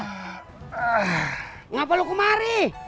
kenapa lo kemari